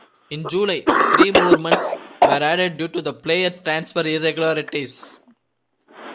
In July, three more months were added due to player transfer irregularities.